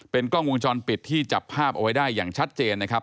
กล้องวงจรปิดที่จับภาพเอาไว้ได้อย่างชัดเจนนะครับ